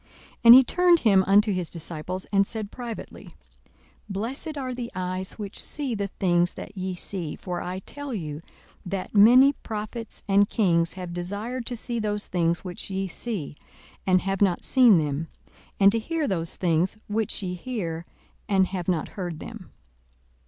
42:010:023 And he turned him unto his disciples, and said privately, Blessed are the eyes which see the things that ye see: 42:010:024 For I tell you, that many prophets and kings have desired to see those things which ye see, and have not seen them; and to hear those things which ye hear, and have not heard them.